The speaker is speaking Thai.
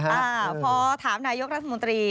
อ่าพอถามนายกรัฐมนตรี